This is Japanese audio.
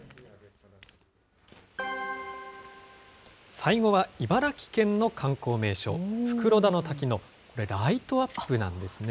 最後は茨城県の観光名所、袋田の滝のこれ、ライトアップなんですね。